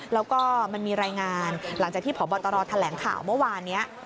แล้วก็มันมีรายงานหลังจากที่พบตรแถลงข่าวเมื่อวานนี้